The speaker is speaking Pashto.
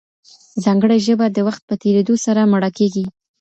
ځانګړې ژبه د وخت په تېرېدو سره مړه کېږي.